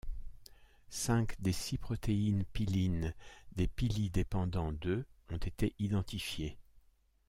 Cinq des six protéines pilines des pili dépendants de ont été identifiées.